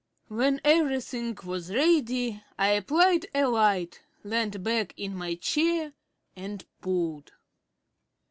When everything was ready I applied a light, leant back in my chair, and pulled.